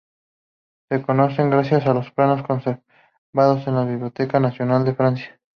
Se conocen gracias a los planos conservados en la Biblioteca Nacional de Francia.